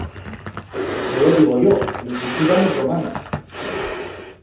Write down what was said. No lo digo yo, lo diciban os romanos.